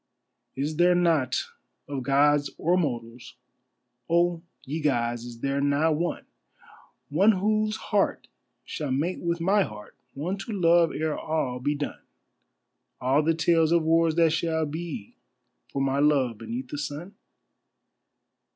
Is there not, of Gods or mortals, oh, ye Gods, is there not one— One whose heart shall mate with my heart, one to love ere all be done, All the tales of wars that shall be for my love beneath the sun?